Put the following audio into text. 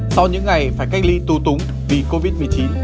sau những ngày phải cách ly tu túng vì covid một mươi chín